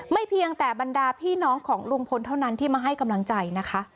เพียงแต่บรรดาพี่น้องของลุงพลเท่านั้นที่มาให้กำลังใจนะคะ